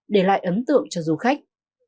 để lại ấn tượng cho du khách